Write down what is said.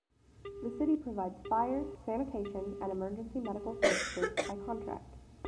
The city provides fire, sanitation, and emergency medical services by contract.